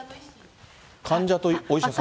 患者とお医者さん？